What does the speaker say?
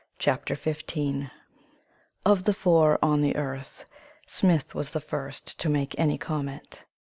XV OVERLOOKED Of the four on the earth, Smith was the first to make any comment.